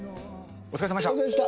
お疲れさまでした。